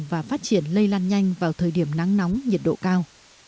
và phát triển lây lan nhanh vào thời điểm nắng nóng nhiệt độ cao